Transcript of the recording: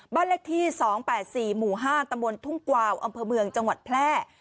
บ้านเลขที่สองแปดสี่หมู่ห้าตะมวลทุ่งกวาวอำเภอเมืองจังหวัดแพร่